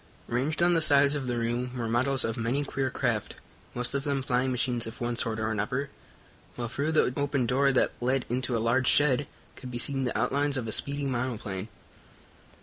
Ranged on the sides of the room were models of many queer craft, most of them flying machines of one sort or another, while through the open door that led into a large shed could be seen the outlines of a speedy monoplane.